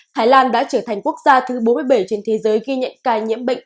thái lan đã trở thành quốc gia thứ bốn mươi bảy trên thế giới ghi nhận ca nhiễm bệnh